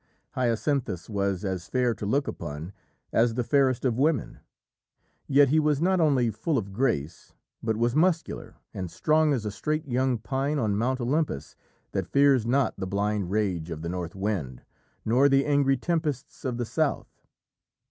Hyacinthus was as fair to look upon as the fairest of women, yet he was not only full of grace, but was muscular, and strong as a straight young pine on Mount Olympus that fears not the blind rage of the North Wind nor the angry tempests of the South.